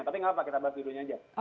tapi gak apa kita bahas judulnya aja